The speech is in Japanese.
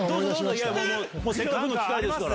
せっかくの機会ですから。